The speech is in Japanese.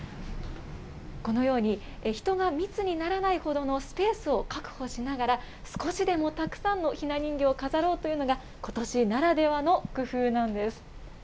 このように、人が密にならないほどのスペースを確保しながら、少しでもたくさんのひな人形を飾ろうというのが、ことしならではの工夫なんです。